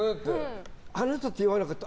あなたって言わなかった。